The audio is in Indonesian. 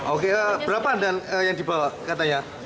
oke berapa yang dibawa katanya